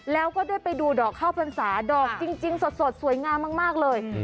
แล้วก็ได้ไปดูดอกข้าวพรรษาดอกจริงสดสวยงามมากเลย